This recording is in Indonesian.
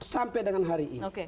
sampai dengan hari ini